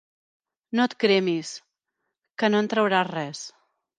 No et cremis, que no en trauràs res.